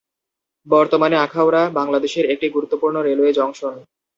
বর্তমানে আখাউড়া বাংলাদেশের একটি গুরুত্বপূর্ণ রেলওয়ে জংশন।